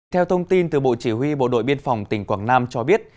theo thông tin từ bộ chỉ huy bộ đội biên phòng tỉnh quảng nam cho biết